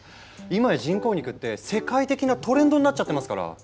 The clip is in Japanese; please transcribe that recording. いまや人工肉って世界的なトレンドになっちゃってますから。